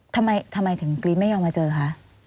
ทำไมถึงกรี๊ดไม่ยอมมาเจอคะ